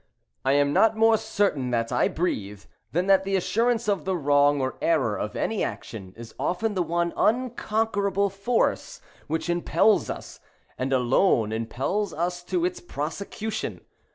I am not more certain that I breathe, than that the assurance of the wrong or error of any action is often the one unconquerable force which impels us, and alone impels us to its prosecution.